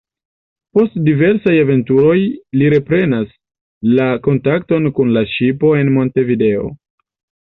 Post diversaj aventuroj, li reprenas la kontakton kun la ŝipo en Montevideo.